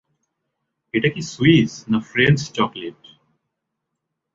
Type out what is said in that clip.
এটা কি সুইস না ফ্রেন্স চকলেট?